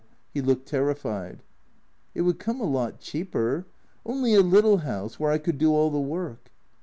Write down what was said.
He looked terrified. " It would come a lot cheaper. Only a little house, where I could do all the work."